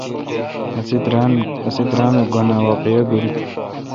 اسے°درامہ گھن اہ واقعہ بیل۔